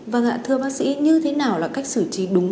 vâng ạ thưa bác sĩ như thế nào là cách xử trí đúng